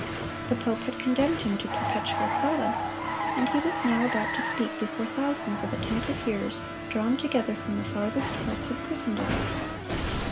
The pope had condemned him to perpetual silence, and he was now about to speak before thousands of attentive hearers drawn together from the farthest parts of Christendom.